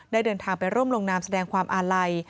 เดินทางไปร่วมลงนามแสดงความอาลัย